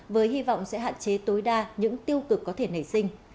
với hy vọng sẽ hạn chế tối đa những tiêu cực có thể nảy sinh